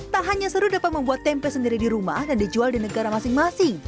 tak hanya seru dapat membuat tempe sendiri di rumah dan dijual di negara masing masing